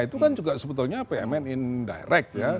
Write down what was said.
itu kan juga sebetulnya pmn indirect ya